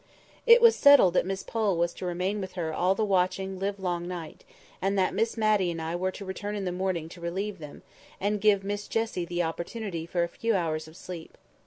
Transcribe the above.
It was settled that Miss Pole was to remain with her all the watching livelong night; and that Miss Matty and I were to return in the morning to relieve them, and give Miss Jessie the opportunity for a few hours of sleep.